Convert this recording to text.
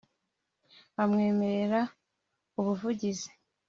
amwemerera ubuvugizi